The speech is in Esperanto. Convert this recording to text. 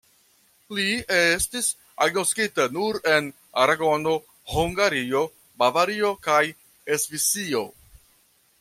Li estis agnoskita nur en Aragono, Hungario, Bavario kaj Svisio.